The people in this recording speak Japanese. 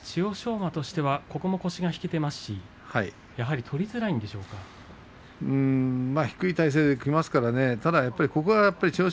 馬としてはここも腰が引けていますし低い体勢でいきますからここは千代翔